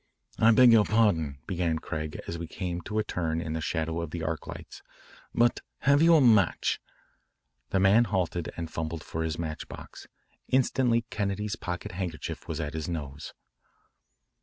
"I beg your pardon," began Craig as we came to a turn in the shadow of the arc lights, "but have you a match?" The man halted and fumbled for his match box. Instantly Kennedy's pocket handkerchief was at his nose.